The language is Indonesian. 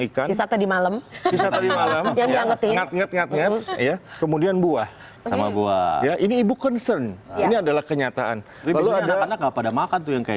ikan di malam kemudian buah sama buah ya ini ibu concern ini adalah kenyataan lalu ada maka